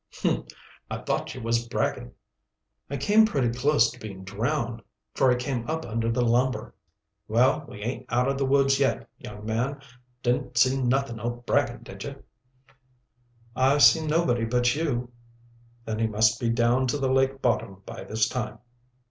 "Humph! I thought ye was Bragin." "I came pretty close to being drowned, for I came up under the lumber." "Well, we aint out o' the woods yet, young man. Didn't see nuthin o' Bragin, did ye?" "I've seen nobody but you." "Then he must be down to the lake bottom by this time."